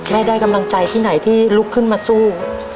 ได้กำลังใจที่ไหนที่ลุกขึ้นมาสู้